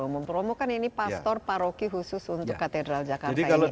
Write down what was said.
mumpur omong kan ini pastor paroki khusus untuk katedral jakarta